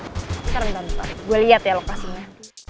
bentar bentar bentar gue liat ya lokasinya